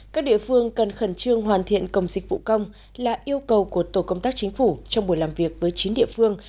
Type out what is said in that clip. các địa phương cần khẩn trương hoàn thiện cổng dịch vụ công là yêu cầu của tổ công tác chính phủ trong buổi làm việc với chín địa phương